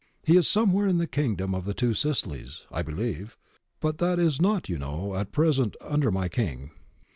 ... He is somewhere in the Kingdom of the Two Sicilies, I believe, but that is not, you know, at present under my King.'